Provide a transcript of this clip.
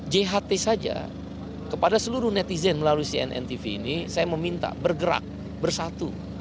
jht saja kepada seluruh netizen melalui cnn tv ini saya meminta bergerak bersatu